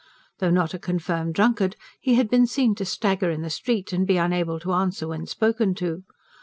Though not a confirmed drunkard, he had been seen to stagger in the street, and be unable to answer when spoken to.